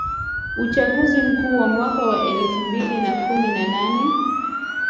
uchaguzi mkuu wa mwaka elfu mbili na kumi na nane